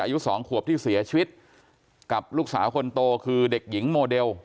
อายุสองขวบที่เสียชีวิตกับลูกสาวคนโตคือเด็กหญิงโมเดล